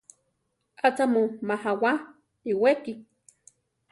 ¿Acha mu majawá iwéki?